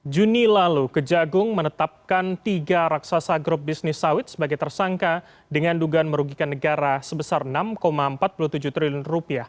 juni lalu kejagung menetapkan tiga raksasa grup bisnis sawit sebagai tersangka dengan dugaan merugikan negara sebesar rp enam empat puluh tujuh triliun